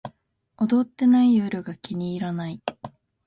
踊ってない夜が気に入らない